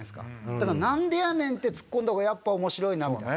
だから「なんでやねん」ってツッコんだほうがやっぱ面白いなみたいな。